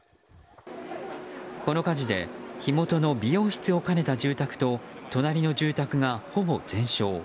この火事で火元の美容室を兼ねた住宅と隣の住宅がほぼ全焼。